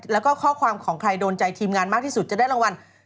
แล้วก็ข้อความของใครโดนใจทีมงานมากที่สุดจะได้รางวัล